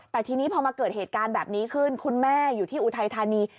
แต่ทีนี้พอมาเกิดเหตุการณ์แบบนี้ขึ้นคุณแม่อยู่ที่อุทัยธานี